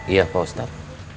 iya pak ustad